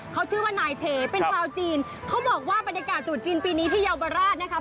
เขาชื่อว่านายเทเป็นชาวจีนเขาบอกว่าบรรยากาศตรุษจีนปีนี้ที่เยาวราชนะคะ